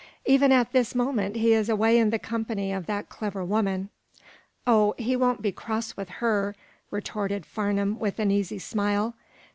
"Even at this moment he is away in the company of that clever woman." "Oh, he won't be cross with her," retorted Farnum, with an easy smile.